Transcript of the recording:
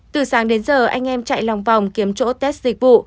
từ sáng đến giờ anh em chạy lòng vòng kiếm chỗ test dịch vụ